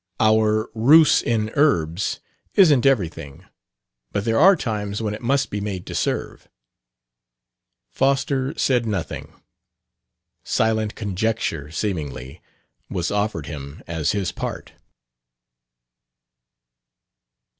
"Our rus in urbs isn't everything, but there are times when it must be made to serve." Foster said nothing. Silent conjecture, seemingly, was offered him as his part.